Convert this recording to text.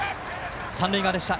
三塁側でした。